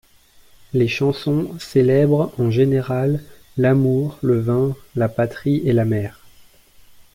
Les chansons célèbrent, en général, l'amour, le vin, la patrie et la mer.